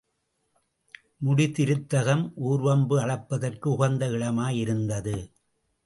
முடிதிருத்தகம் ஊர் வம்பு அளப்பதற்கு உகந்த இடமாய் இருந்தது.